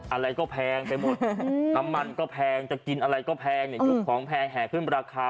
อะไรก็แพงมันต้องแพงจะกินอะไรก็แพงอย่างงี้อย่างของแพงแห่งขึ้นราคา